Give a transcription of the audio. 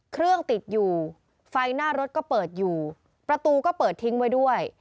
เครื่องติดอยู่ไฟหน้ารถก็เปิดอยู่ประตูก็เปิดทิ้งไว้ด้วย